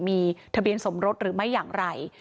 มีทะเบียนสมรสหรือไม่อย่างไร